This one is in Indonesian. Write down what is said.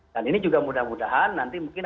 dan ini juga mudah mudahan nanti mungkin